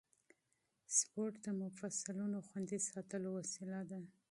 سپورت د مفصلونو خوندي ساتلو وسیله ده.